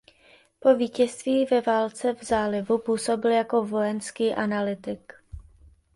Po vítězství ve válce v Zálivu působil jako vojenský analytik.